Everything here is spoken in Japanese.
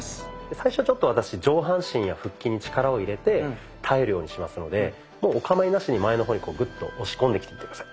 最初ちょっと私上半身や腹筋に力を入れて耐えるようにしますのでもうおかまいなしに前の方にグッと押し込んできて下さい。